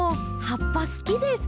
はっぱすきです。